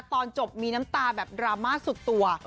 ตอนจบมีน้ำตาแบบดราม่าสุดตัว